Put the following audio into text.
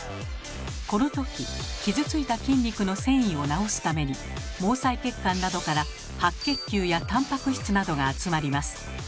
このとき傷ついた筋肉の線維を治すために毛細血管などから白血球やタンパク質などが集まります。